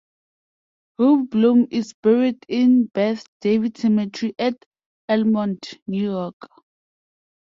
Rube Bloom is buried in Beth David Cemetery at Elmont, New York.